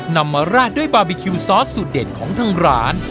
นำมาราดด้วยบาร์บีคิวซอสสูตรเด็ดของทางร้าน